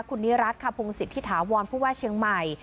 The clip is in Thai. คุณนิรัติคพงศิษย์ทิศาวร์นภูวาเชียงใหม่